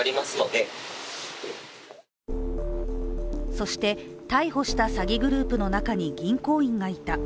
そして、逮捕した詐欺グループの中に銀行員がいた。